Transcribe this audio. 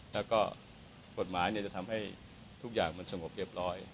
แล้วก็กฎหมายจะทำให้ทุกอย่างมันสงบเรียบร้อย